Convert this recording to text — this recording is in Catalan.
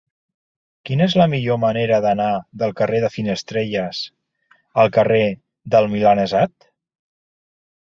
Quina és la millor manera d'anar del carrer de Finestrelles al carrer del Milanesat?